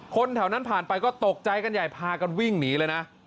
คนแถวนั้นผ่านไปก็ตกใจกันใหญ่พากันวิ่งหนีเลยนะ